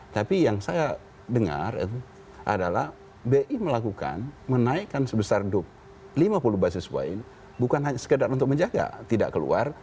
tapi yang saya dengar adalah bi melakukan menaikkan sebesar lima puluh basis point bukan hanya sekedar untuk menjaga tidak keluar